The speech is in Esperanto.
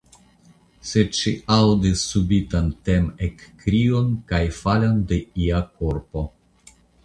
Sed ŝi aŭdis subitan timekkrion, kaj falon de ia korpo.